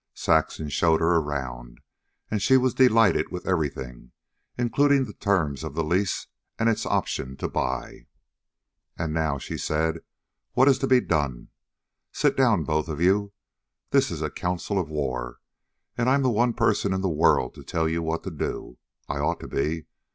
Saxon showed her around, and she was delighted with everything, including the terms of the lease and its option to buy. "And now," she said. "What is to be done? Sit down, both of you. This is a council of war, and I am the one person in the world to tell you what to do. I ought to be.